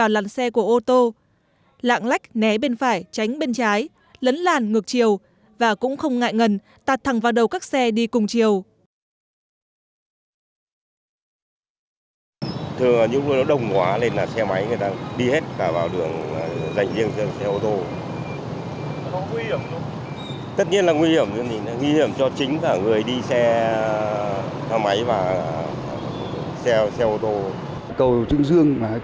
lạng lách né bên phải tránh bên trái lấn làn ngược chiều và cũng không ngại ngần tạt thẳng vào đầu các xe đi cùng chiều